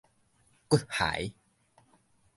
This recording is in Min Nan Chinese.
骨骸